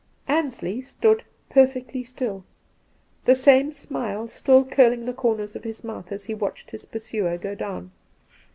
Ansley stood perfectly stiU, the same snule stiU curling the comers of his mouth as he watched his pursuer go down.